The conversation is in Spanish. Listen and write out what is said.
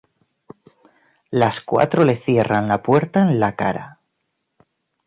Las cuatro le cierran la puerta en la cara.